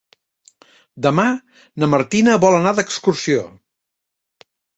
Demà na Martina vol anar d'excursió.